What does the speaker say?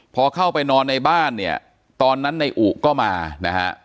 พอเข้าไปนอนในบ้านเนี่ยตอนนั้นในอุก็มานะฮะ